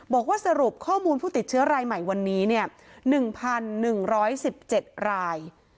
บอกว่าสรุปข้อมูลผู้ติดเชื้อรายใหม่วันนี้๑๑๑๗ราย